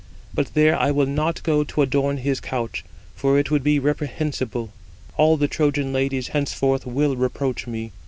But there I will not go to adorn his couch, for it would be reprehensible: all the Trojan ladies henceforth will reproach me.